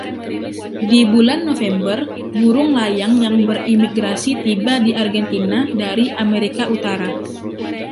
Di bulan November, burung layang yang bermigrasi tiba di Argentina dari Amerika Utara.